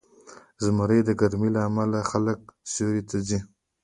زمری کې د ګرمۍ له امله خلک سیوري ته ځي.